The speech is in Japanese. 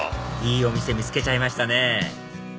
いいお店見つけちゃいましたね